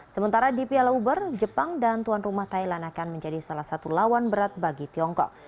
sementara di piala uber jepang dan tuan rumah thailand akan menjadi salah satu lawan berat bagi tiongkok